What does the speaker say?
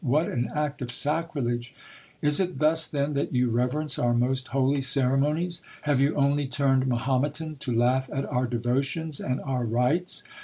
What an act of sacrilege ! Is it thus, then, that you reverence our most holy ceremonies ? Have you only turned Mahometan to laugh at our devotions and our rites